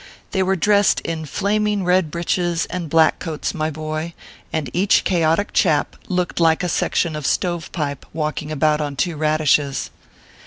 They were dressed in flaming red breeches and black coats, my boy, and each chaotic chap looked like a section of stove pipe walking about on two radishes.